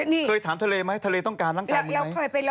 นี่เคยถามทะเลไหมทะเลต้องการร่างกาย